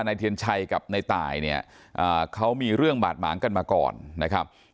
เทียนชัยกับในตายเนี่ยเขามีเรื่องบาดหมางกันมาก่อนนะครับ